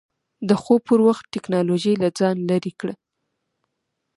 د خوب پر وخت ټېکنالوژي له ځان لرې کړه.